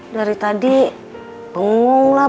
dari tadi bengong lah